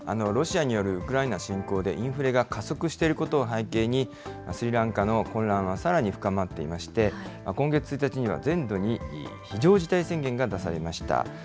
ロシアによるウクライナ侵攻でインフレが加速していることを背景に、スリランカの混乱はさらに深まっていまして、今月１日には全土に非常事態宣言が出されました。